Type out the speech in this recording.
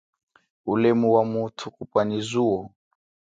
Ulemu wa muthu kupwa nyi zuwo.